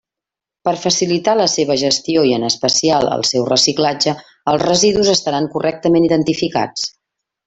Per facilitar la seva gestió i en especial el seu reciclatge, els residus estaran correctament identificats.